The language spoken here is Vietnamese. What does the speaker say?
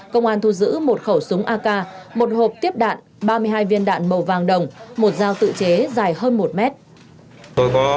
công an thu giữ một khẩu súng ak một hộp tiếp đạn ba mươi hai viên đạn màu vàng đồng một dao tự chế dài hơn một mét